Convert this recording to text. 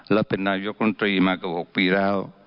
และเป็นนายกรมตรีมากว่า๖ปีแล้ว